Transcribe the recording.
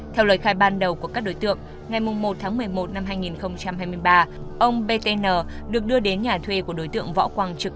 theo lời khai ban đầu của các đối tượng ngày một tháng một mươi một năm hai nghìn hai mươi ba ông btn được đưa đến nhà thuê của đối tượng võ quang trực